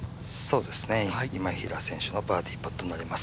今平選手のバーディーパットになります。